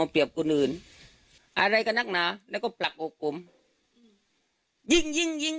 เปรียบคนอื่นอะไรก็นักหนาแล้วก็ปรักอกผมยิงยิ่งยิงยิ่ง